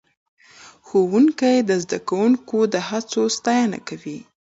ښوونکی زده کوونکي د هڅو ستاینه کوي